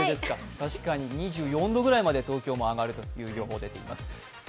確かに２４度ぐらいまで東京も上がるという予報が出ています。